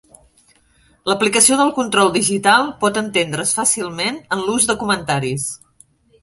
L'aplicació del control digital pot entendre's fàcilment en l'ús de comentaris.